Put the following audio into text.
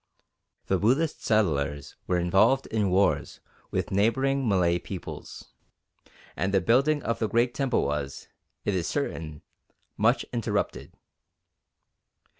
The Buddhist settlers were involved in wars with neighbouring Malay peoples, and the building of the great temple was, it is certain, much interrupted.